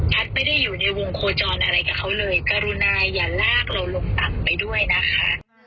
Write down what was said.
ไม่ได้อยู่ในวงโคจรอะไรกับเขาเลยกรุณาอย่าลากเราลงต่ำไปด้วยนะคะ